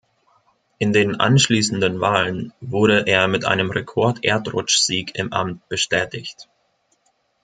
In den anschließenden Wahlen wurde er mit einem Rekord-Erdrutschsieg im Amt bestätigt.